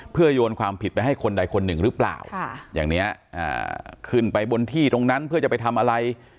เพื่อโยนความผิดไปให้คนใดคนหนึ่งหรือเปล่าอย่างนี้ขึ้นไปบนที่ตรงนั้นเพื่อจะไปทำอะไร